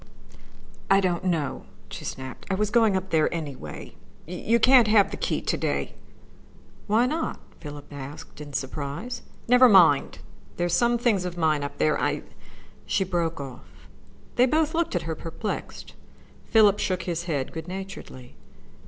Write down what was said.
"I don't know," she snapped. "I was going up there, anyway. You can't have the key to day." "Why not?" Philip asked in surprise. "Never mind. There are some things of mine up there. I " She broke off. They both looked at her, perplexed. Philip shook his head good naturedly.